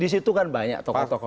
di situ kan banyak tokoh tokoh